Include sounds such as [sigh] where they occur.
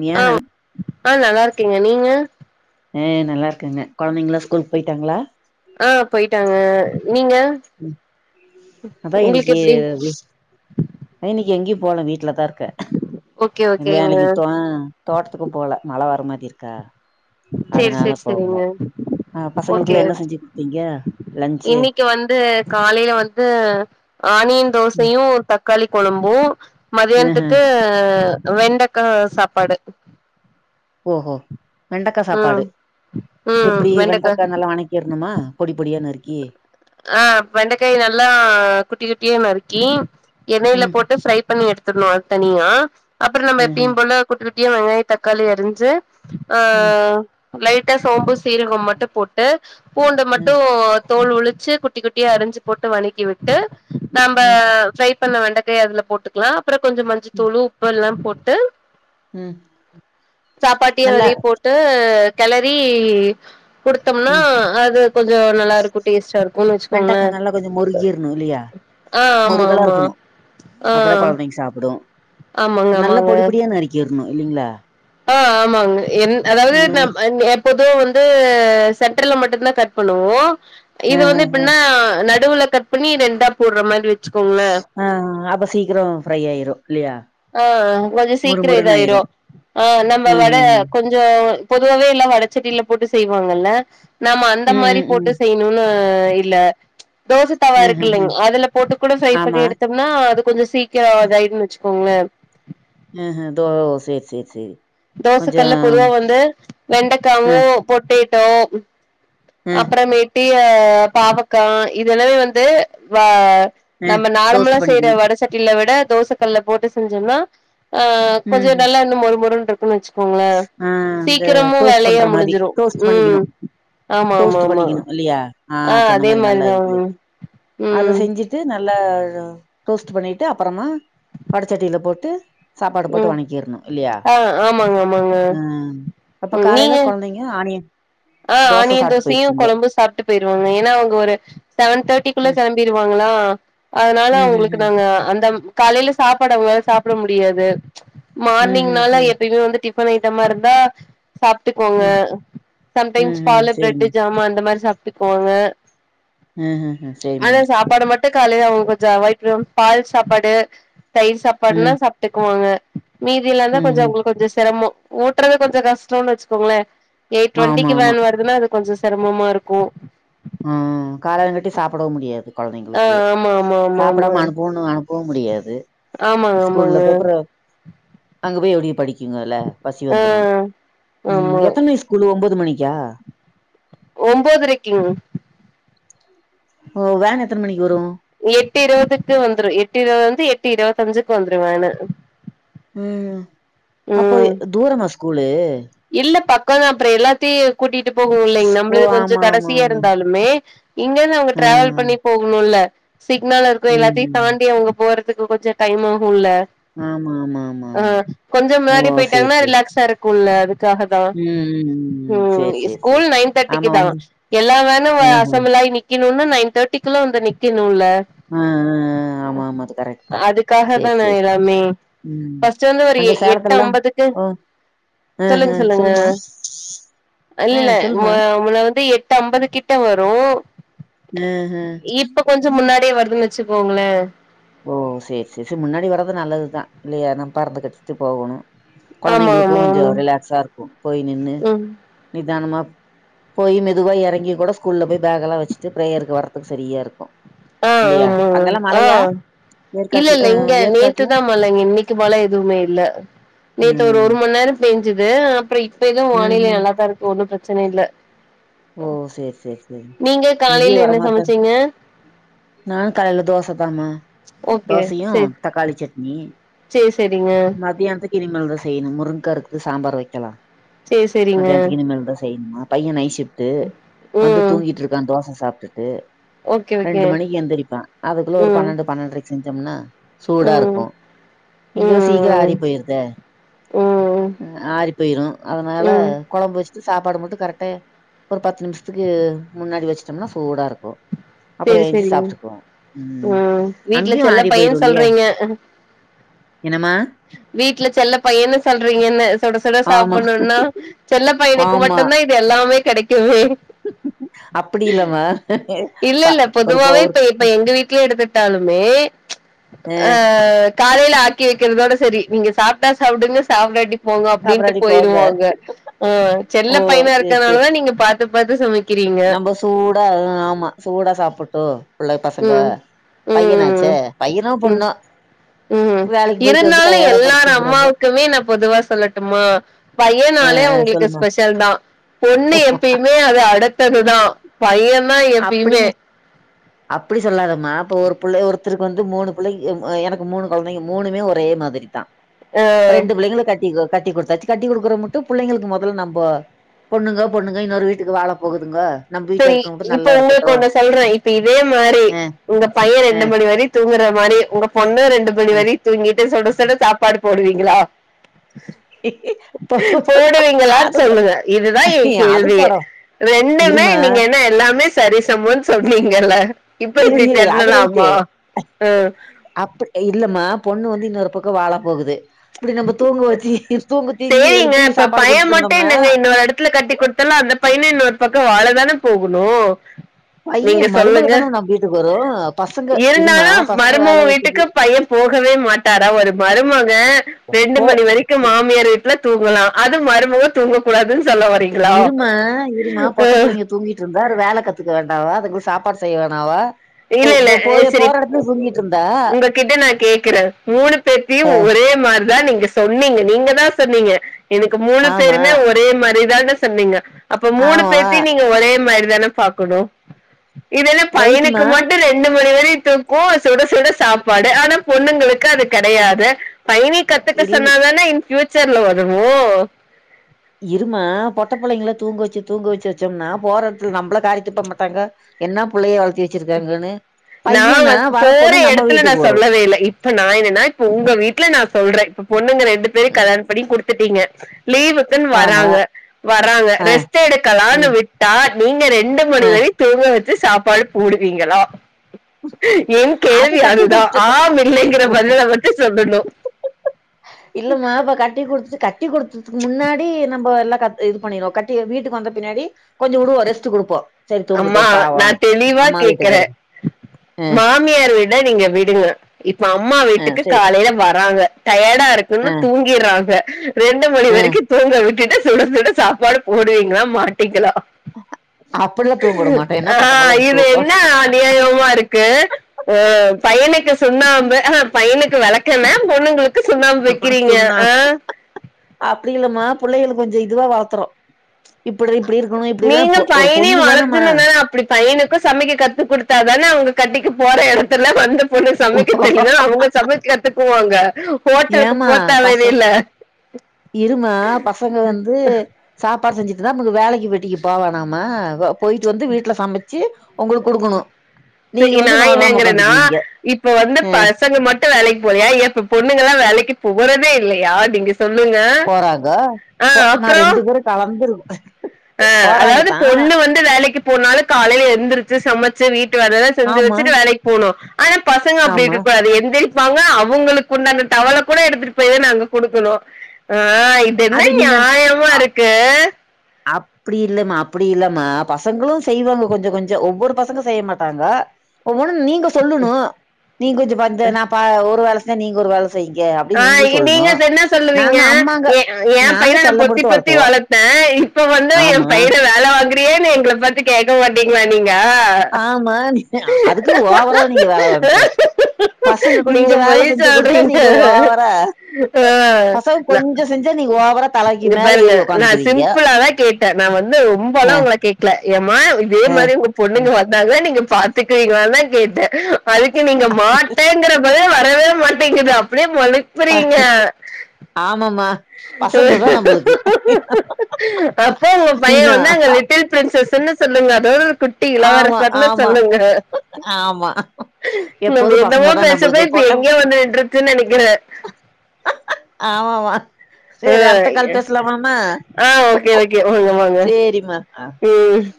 ஏ ஆங் நல் ஆ நல்லாருக்கே நீங்க ஆ நல்லாருக்கங்க கொழந்தைங்களா ஸ்கூலுக்கு போய்ட்டாங்ளா ஆ போய்ட்டாங்க நீங்க உங்குளுக்கு எப்டி ம் இன்னிக்கி எங்கேயு போல வீட்லதா இருக்க ஓகே ஓகேங்க வேலக்கி தோன் தோட்டத்துக்கு போல மழ வரமாரி இருக்கா சேரி அதனால சேரி போகல செரிங்க ஆ ஓகே பசங்களுக்குலா என்ன செஞ்சு குடுத்தீங்க லன்ச்சு இன்னிக்கு வந்து காலேல வந்து ஆனியன் தோசயு தக் காளி கொழம்பு ஆஹ மதியானத்துக்கு வெண்டக்கா சாப்பாடு ஓஹோ வெண்டக்கா ம் சாப்பாடு எப்டி வெண்டக்கா நல்லா வணக் கிர்ணுமா பொடி பொடியா நருக்கி ஆ வெண்டக்காய நல்லா குட்டி குட்டியா நருக்கி எண்ணெய்ல ம் போட்டு ஃப்ரை பண்ணி எடுத்துட்ணு அது தனியா அப்பறோ நம்ம ம் எப்பயு போல குட்டி குட்டியா வெங்காய தக்காளி அரிஞ்சு ஆ ம் லைட்டா சோம்பு சீரகம் மட்டு போட்டு பூண்டு ம் மட்டு தோல் உளிச்சு குட்டி குட்டியா அரிஞ்சு போட்டு வணக்கிவிட்டு நாம்ப ம் ஃப்ரை பண்ண வெண்டக்கய அதுல போட்டுக்லாம் அப்புறம் கொஞ்சம் ம் மஞ்சத்தூளும் உப்பு எல்லாம் போட்டு ம் சாப்பாத்திய நல்லா அதுலயே போட் டு கெளரி குடுத்தம்னா ம் அது கொஞ்சம் நல்லா இருக்கும் டேஸ்டா இருக்கு இருக்குன்னு வச்சுக்கோங்களே வெண்டக்கா நல்லா கொஞ்சம் முருகிர்ணும் இல்லயா ஆ ஆமா முருகலா ஆமா இருக்கணும் ஆ அப்பதான் கொழந்தைங்க விரும்பி ஆமாங்க சாப்டும் நல்லா ஆமாங்க பொடிப்பொடியா நறுக்கிர்னும் இல்லைங்ளா ஆ ஆமாங்க என் அதாவது நம் அ [unintelligible] பொதுவா வந்து சட்டுர்ல மட்டுந்தான கட் பண்ணுவோம் ஆ இது ஆ வந்து ஆ எப்னா நடுவுல கட்பண்ணி ரெண்டா போட்ற மாரி வச்சுக்கோங்ளேன் ஆ அப்ப சீக்கிரம் ஃப்ரை ஆயிரும் இல்லயா ஆ கொஞ்சம் சீக்கிரம் இதாயிடும் ஆ நம்ம ம் வட ம் கொஞ் சம் பொதுவாவே எல்லாம் வடசட்டியில போட்டு செய்வாங்கல்ல நாம அந்த மாரி ம் போட்டு ம் செய் னும்னு இல்ல தோச தவா ம் ம் ம் இருக்குல்லங் ம் அதுல போட்டு கூட ஃப்ரை பண்ணி ஆமா எடுத்து ன்னா அது கொஞ்சம் சீக்கிரம் அதாயிருன்னு வச்சுக்கோங்ளேன் ஹஹ தோ சேரி சேரி சேரி கொஞ்சோ தோசக்கல்ல பொதுவா வந்து ம் வெண்டகாவும் பொட்டேட்டோ ம் அப்புறமேட்டி ஆ பாவக்கா இதெல்லாமே வந்து வ ம் நம்ம நார்மலா டோஸ்ட் செய்ற பண்ணிக்கணு வட சட்டியில வெட தோச கல்ல போட்டு செஞ்சோன்னா ஆ ம் கொஞ்சம் ம் நல்லா இன்னும் மொறு மொறுன்னுருக்குன்ச்சு இருக்குங்க ஆ அந்த சீக்கிரமும் டோஸ்ட் வேலைய பண்ற மாரி முடிஞ்சிரும் டோஸ்ட் பண்ணிக்கணு ம் ஆமா ஆமா டோஸ்ட் ஆமா பண்ணிக்கணு இல்லையா ஆ சொன்ன அதே மாரி மாரிதா [unintelligible] ம் வந்து நல்லா ரோஸ்ட் பண்ணிட்டு அப்புறமா வடச்சட்டியில போட்டு சாப்பாடு போட்டு ம் வணகிர்ணும் இல்லயா ஆ ஆமாங்க ஆமாங்க ம் அப்ப காலைல கொழந்தைங்க ஆணியன் ஆங் ஆனியன் தோசயும் கொழம்பும் சாப்ட்டு போயிருவாங்க ஏனா அவுங்க ஒரு செவன் தேட் டிக்குள்ள ம் கெளம்பிருவாங்களா அதனால ம் ம் அவுங்களுக்கு ம் நாங்க அந்த காலைல சாப்பாடு அவுங்கலால சாப்புட முடியாது ம் ம் மார்னிங்னால ம் எப்பயுமே வந்து டி ஃபன் ஐட்டமா இருந்தா சாப்ட்டுக்குவாங்க ம் ம் சம்டைம்ஸ் ம் பாலு சேரி பிரெட்டு் மேம் ஜாமான் அந்த மாரி சாப்ட்டுக்குவாங்க ம் ம் ம் சேரி மேம் அதான் சாப்பாடு மட் டும் காலைல அவுங்க கொஞ்சம் அவாய்ட் ஃப்ரம் பால் சாப்பாடு தயிர் சாப்பாடுன்னா ம் சாப்ட்டுக்குவாங்க மீதியில்லாந்தான் ம் கொஞ்சம் ம் அவுங்களுக்கு கொஞ்சம் செரமம் ஊட்றது கொஞ்சம் கஷ்டோனு வச்சுக்கோங்ளேன் ஆமா டுவண்ட்டிக்கு ஆமா வேன் வருதுன்னா அது கொஞ்சம் செரமமா இருக்கும் ம் காலலங்காட்டியும் சாப்புடவும் முடியாது ஆ கொழந்தைங்களுக்கு ஆமா ஆமா ஆமா ஆமா சாப்டாம அனுப்புவுனு அனுப் போ முடியாது ஆமாங்க ஆமாங்க ஸ்கூல்லக்கப்புறம் அங்க போயி எப்டி படிக்குங்கல பசி ஆ வந்துரும் ம் எத்தனைக் ஸ்கூலு ஒன்பது மணிக்கா ஒன்பதுரைக்கிங் ஓ வேன் எத்தன மணிக்கு வரும் எட்டு இருவதுக்கு வந்துரும் எட்டு இருவது வந்து எட்டு இருவத்தஞ்சுக்கு வந்துரு வேனு ம் அப்போ ம் தூரமா ஸ்கூலு இல்ல பக்கொ தா அப்புறம் எல்லாத்தையும் கூட்டிட்டு போகும் இல்லைங் ஓ நம்மளது ஆமா கொஞ்சம் ஆமா கடைசியா ஆமா இருந்தாலுமே இங்கந்து அவங்க ஆ டிராாவல் பண்ணி போகணும்ல்ல சிக்னல் இருக்கும் ம் எல்லாத்தையும் ம் தாண்டி அவங்க போற துக்கு கொஞ்சம் டைம் ஆகும் ஆமா ஆமா ஆமா ஆ ஆமா. கொஞ்சம் ஓ! முன்னாடி சரி, போயிட்டாங்கன்னா சரி. ரிலாக்ஸா இருக் குல்ல அதுக்காக தான் ம், ம், ம் சரி, சரி, சரி. ஸ்கூல் நைன் தேர்டிக்கு ஆமா தான் வண்டி எல்லாம் வேணும் வ ஆஹ. அசம்பளாயி நி நிக்கணூனா நைன் தேர்டி குள்ள வந்து நிக்கணுல ஆ ஆ ஆமா, ஆமா. அது கரெக்ட் தான். அதுக்காக சரி, தானே சரி, சரி. எல்லாமே ம். ஃபஸ்ட் வந்து ஒரு அங்க எட்டு சேலத்துலலாம் அம்பதுக்கு ஓ! ஆஹ. சொல்லுங்க சொல்லுங்க சொல்லுமா? ஆ இல்லெல்ல மு சொல்லுமா? முன்ன வந்து எட்டு அம்பது கிட்ட வரு ம் ஹும் கொஞ்சோ முன்னாடியே வருதுன் வச்சுக்கோங்களே ஓ சேர் சேரி சேர் முன்னாடி வர்றது நல்லதுதா இல்லையா நம்ம பறந்து கட்டிக்கிட்டு போகணு ஆமா கொழந்தைங்களுக்கு ஆமா கொஞ்சோ ஆமா ரிலாக்ஸா இருக்கு போய் நின்னு ம் நிதானமா போய் மெதுவா எறங்கி கூட ஸ்கூல்ல போய் பேக்க எல்லா வச் சு பிரேயர்க்கு வரதுக்கு சரியா இருக்கு ஆ ஆமா மேம் ஆ ஏற்காட்ல இல்லல்ல அ இங்க ஏற்காட்ல? நேத்துதா மழங்க இன்னைக்கு மழ் எதுவுமே இல்ல நேத்து ஒரு ம் மண் நேரோ பேஞ்சுது அப்றோ இப்ப எதுவு ம் வானிலை நல்லாதா இருக்கு ஒன்னு பிரச்சன இல்ல ஓ சேரி சேரி சேரி நீங்க இங்கேயு காலைல என்ன வரமாட்டாரு சமச்சீங்க நானு காலைல தோச தாமா ஓகே தோசையு சேரி தக்காளி சட்னி சேரி சேரிங்க மத்யான்த்துக்கு இனிமேல் தா செய்யணு முருங்கா இருக்கு சாம்பார் வைக்கலா சேரி சேரிங்க மதியான்த்துக்கு இனிமேல் தா செய்னு பய்யே நைட் சிப் ட்டு வந்து ம் தூங்கிட்டு இருக்கா தோச சாப்பிட்டுட்டு ஓகே ஓகே ரெண்டு மணிக்கு எந்திரிப்பா அதுக்குள்ள ஒரு ம் பன்னெண்டு பன்னென்டுரைக்கு செஞ்சம்னா சூடா ம் இருக்கு இங்கயு சீக்கிரோ ம் ஆறி போயிருதே ம் ஆறி போயிரு அதனால ம் கொழம்பு வச்சுட்டு சாப்பாடு மட்டு கரெக்ட ஒரு பத்து நிம்ஷத்துக்கு முன்னாடி வச்சுட்டோம்னா சூடா இருக்கு அப்றோ சேரி ஏஞ்சு சேரிங்க சாப்ட்டுக்குவா ம் வீட்ல அங்கயு செல்ல ஆறி போயிரு பையன்னு இல்லையா சொல்றீங்க என்னம்மா வீட்ல செல்ல பய்யன்னு சொல்றீங்கன்னு சுட சுட ஆமா சாப்புணூனா செல்ல பய்யனுக்கு ஆமா மட்டுதா இது எல்லாமே கெடைக்குமே அப்டி இல்லம இல்ல பா இல்ல ஒரு கோ பொதுவாவே ஒரு இப்ப இப்ப எங்க வீட்ல எடுத்துட்டாலுமே அ காலைல ஆக்கி வக்கிறதோட செரி நீங்க சாப்ட்டா சாப்டுங்க சாப்டாட்டி போங்க அப்டின்ட்டு சாப்டாடி போங்க போயிருவாங்க ஆ செல்ல ஓ பையனா இருக்கனாலதா நீங்க பாத்து பாத்து சமைக் நம்ப சூடா ஆமா சூடா சாப்புட்டு புள்ள பசங்க ம் ம் பையனாச்சே பையனோ ம் பொண்ணோ ம் வேலைக்கு போயிட்டு வந்து இருந்தாலு டயர்டா படுத்து எல்லார் தூங்குறாங்க அம்மாவுக்குமே நா பொதுவா சொல்லட்டுமா ஆ பையனாலே ஆ அவுங்களுக்கு சொல்லுமா ஸ்பெஷல் தா பொண்ணு எப்பயுமே அது அடுத்ததுதா பைய்யே தா எப்பயுமே அப்டின்னு அப்டி சொல்லாதம்மா இப்ப ஒரு புள்ள ஒருத்தருக்கு வந்து மூனு புள்ளை எனக்கு மூனு கொழந்தைங்க மூணுமே ஒரே மாதிரி தா அ ரெண்டு பிள்ளைங்கள கட்டி கட்டி குடுத்தாச்சு கட்டி குடுக்குற மட்டு புள்ளைங்களுக்கு மொதல்ல நம்ப பொண்ணுங்க பொண்ணுங்க இன்னொரு வீட்டுக்கு வாழ போகுதுங்க நம்ம வீட்ல செரி இருக்கவங்க இப்ப நல்லா இருக்கட்டு ஒங்களுக்கு ஒன்னு சொல்றே இப்ப இதே மாரி அ உங்க பைய்யே அ ரெண்டு மணி வரை தூங்குற மாரி உங்க பொண்ணு ரெண்டு மணி அ வரை தூங்கிட்டு சுட சுட சாப்பாடு போடுவீங்ளா போடுவீங்களா அது சொல்லுங்க இது தா எ அது கேள்வியே படோ ரெண்டுமே இருமா நீங்க என்ன எல்லாமே சரி சமோன் சொன்னீங்கல்ல இப்போ இரு இப்டி இரு பெண்ணலாமா ஆ அப்பிட் இல்லமா பொண்ணு வந்து இன்னோரு பக்கோ வாழ போகுது இப்டி நம்ப தூங்க வெச்சுகிட்டு சேரிங்க இப்ப பையே மட்டு என்னங்க இன்னொரு எடத்துல கட்டி குட் த்தாலு அந்த பையனு இன்னோரு பக்கோ வாழ தானே போகனு பைய நீங்க மருமக சொல்லுங்க தான நம்ம வீட்டுக்கு வரு பசங்க இருமா இருந்தாலு பசங்க மருமவ வேல வீட்டுக்கு வெட்டிக்கு பையே போகவே மாட்டாரா ஒரு மருமகே ரெண்டு போ மணி வரை க்கு மாமியார் வீட்ல தூங்கலா அது மருமவ தூங்க கூடாதுன் சொல்ல வரி இருமா இருமா பொட்ட புள்ளைங்க தூங்கிட்ருந்தா ஒரு வேல கத்துக்க வேண்டாவா அதுங்ளுக்கு சாப்பாடு செய்ய வேணாவா போ இல்லெல்ல போ ஆ போய் செரி போற இடத்துல தூங்கிட்டு இருந்தா. உங்ககிட்ட நா கேக்குறே மூனு பேத்தையு அ ஒரே மார் தா நீங்க சொன்னீங்க நீங்க தா சொன்னீங்க எனக்கு மூனு ஆமா, பேருமே ஒரே மாரி தானு சொன்னீங்க அப்ப மூனு ஆமா. பேத்தையு நீங்க ஒரே மாரி தானே பாக்கனு இது என்ன பையனுக் ரைட்டுமா. ரெண்டு மணி வரையு தூக்கோ சுட சுட சாப்பாடு ஆனா பொண்ணுங்களுக்கு அது கெடயாது பைய்னி கத்துக்க இல் சொன்னா தானே இன் ஃப்யூச்சர்ல ஒதவு இருமா பொட்ட புள்ளைங்ள தூங்க வச்சு தூங்க வச்சு வச்சம்னா போற எடத்துல நம்ள காரி துப்ப மாட்டாங்க என்னா புள்ளய வளத்தி வெச்சிருக்கங்கன்னு நா வந் போற எடத்துல நா வரும். சொல்லவே இல்ல இப்ப நா என்னனா இப்ப உங்க வீட்ல நா சொல்றே ப்ப பொண்ணுங்க ரெண்டு பேரயு ம். கல்யாணொ பண்ணி குடுத்துட்டீங்க லீவு க்குன் ஆமா. வராங்க வராங்க அ, ரெஸ்ட் எடுக்கலான் ம், விட்டா நீங்க ரெண்டு அ. மணி வரி தூங்க வச்சு சாப்பாடு போடுவீங்களா என் கேள்வி கட்டி அது தா குடுத்துட்டு ஆம் இல்லைங்ற பதில மட்டு சொல்லனு இல்லமா இப்ப கட்டி குடுத்து கட்டி குடுத்ததுக்கு முன்னாடி நம் போ எல்லா கத் இது பண்ணிருவோ கட்டி வீட்டுக்கு வந்த பின்னாடி கொஞ்சோ வுடுவோ ரெஸ்ட்டு குடுப்போ சரி தூங்கட்டு அம்மா பாவோ நா தெளிவா அம்மா வீட்டுக்கு கேக்குறே வருது அ மாமியார் வீட நீங்க விடுங்க இப்ப அம்மா அ வீட்டுக்கு சரி காலைல வராங்க டயர்டா அ இருக்குன் தூங்கிறாக ரெண்டு மணி அ வரைக்கு தூங்க விட்டுட்டு சுட சுட சாப்பாடு போடுவீங்ளா மாட்டிங்ளா அப்டிலா தூங்க வுட மாட்டே என்ன ஆ பொட்ட புள்ளக்கி இது தூக்கோ என்ன அநியாயமா இருக்கு ஆ பையனுக்கு சுண்ணாம்பு ஆ ஹா பையனுக்கு வெளக்கெண்ண பொண்ணுங்ளுக் கு சுண்ணாம்பு இப்டி வெக்கிறீங்க சொன்னா ஆ அப்டி இல்லமா புள்ளையளுக் கொஞ்சோ இதுவா வளத்துறோ இப்டி இப்டி இருக்கணு இப்டி தா பொ ஒரு பொண்ணு தானம்மா இப்டி பையனுக்கு சமைக்க கத்து குடுத்தா தான அவுங்க கட்டிக்க போற எடத்துல வந்து பொண்ணு சமைக்க தெரிலனா அவுங்க சமைக்க கத்துக்குவாங்க ஹோட்டலுக்கு ஏம்மா போ பச தேவையில்ல. இருமா பசங்க வந்து சாப்பாடு செஞ்சிட்ருந்தா நமக்கு வேலக்கி வெட்டிக்கி போ வேணாமா போய்ட்டு வந்து வீட்ல சமச்சு ஒங்களுக் குடுக்கனு சே நா என்னாங்கறேன்னா இப்ப வந்து பசங்க மட் டு வேலைக் போலயா ஏ இப்ப பொண்ணுங்கல்லா வேலைக்கு போறதே இல்லயா நீங்க சொல்லுங்க ஆ அப்றோ கலந்துரு ஆ அதாவ்து பொண்ணு வந்து வேலைக்கு போனாலு காலைல எந்திருச்சு சமச்சு வீட்டு வேலலா செஞ்சு ஆமா வச்சுட்டு வேலை போனு ஆனா பசங்க அப்டி ஆமா இருக்கக்கூடாது எந்திரி ப்பாங்க அவுங்களுக்கு உண்டான டவல கூட எடுத்துட்டு போய் தா நாங்க குடுக்கனு ஆ இ என்ன அது நீங்க ஞாயமா ருக்கு அப்படி இல்லம்மா அப்படி இல்லம்மா பசங்களு செய்வாங்க கொஞ்சொ கொஞ்சோ ஒவ்வொரு பசங்க செய்ய மாட்டாங்க ஒவ்வொன்னு நீங்க சொல்லுணு நீ கொஞ்சோ பாத்து நா பா ஒரு வேல செஞ்சா நீங்க ஒரு வேல செய்ங்க ஆ அப்டின்னு இ நீங்களு சொல்ணு நீங்க என்ன சொல்லுவீங்க நாங்க அம்மாங்க ஏ அ ஏ நாங்க பையன நா செல்லம் பொத்தி குடுத்து பொத்தி வளத்துவோ வளத்தே இப்ப வந்து எம் ஆமா பையன வேல வாங்கு றியேன்னு எங்கள பாத்து கேக்க மாட்டீங்களா நீங்க ஆமா நீங்க அதுக்குன்னு ஓவராவு நீங்க வேல வாங்க கூடாது பசங்க கொஞ்ச நீங்க வேல பொய் செஞ்சி கொடுத்தா சொல்றீங்க நீங்க ஓவரா ஆஹ் பசங்க நான்- கொஞ்ச செஞ்சா நீங்க ஓவரா தலக்கி மேல ஏறி ஒக்காந்துக்குவீங்க அத்தே நா வந்து ரொம்பெல்லா ஒங்கள கேக் ல ஏமா இதே அஹ், மாரி உங்க அஹ். பொண்ணுங்க வந்தாங்க நீங்க பாத்துக்குவீங்ளான்னு தா கேட்டே அதுக்கு நீங்க மாட்டேங்கிற பதில் வரவே மாட்டேங்குது அப்டியே மழுப்புறீங்க ஆமம்மா அப்போ உங்க பைய வந்து இன்னும் அங்க லிட்டில் பிரின்சஸ்ஸுன்னு சொல்லுங்க அதோட ஒரு குட் ஆமா ஆமா ஆமா நம்ப எப்போதும் பசங்க என்னவோ தான் பேசப் நம்மளுக்கு போய் இப்ப எங்யோ வந்து நின்றுச்சுன் நெனக்கிற ஆமாம்மா ஆ சேரி அடுத்த கால் பேசலாமாம்மா ஆ ஓகே ஓகே வாங்க வாங்க சேரிமா ம்